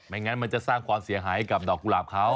งั้นมันจะสร้างความเสียหายกับดอกกุหลาบเขา